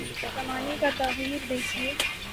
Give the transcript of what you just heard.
زمانے کا تغیر دیکھیے۔